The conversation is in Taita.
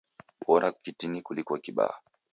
Bora kitini kuliko kibaa